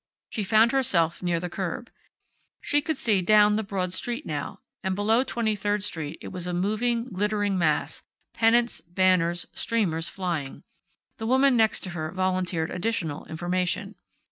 She found herself near the curb. She could see down the broad street now, and below Twenty third street it was a moving, glittering mass, pennants, banners, streamers flying. The woman next her volunteered additional information.